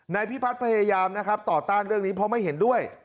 นายพิพัฒน์พยายามนะครับต่อต้านเรื่องนี้เพราะไม่เห็นด้วย